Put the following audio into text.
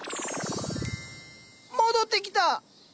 戻ってきた！